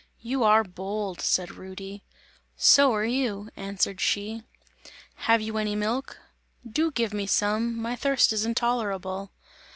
"You are bold!" said Rudy. "So are you!" answered she. "Have you any milk? Do give me some, my thirst is intolerable!"